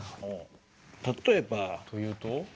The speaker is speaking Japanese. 例えば。というと？